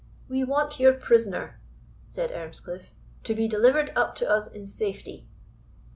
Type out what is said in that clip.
"We want your prisoner," said Earnscliff, "to be delivered up to us in safety."